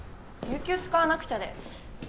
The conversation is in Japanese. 有給使わなくちゃで。